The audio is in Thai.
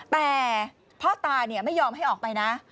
แต่พ่อตาไม่ยอมให้ออกไปนะ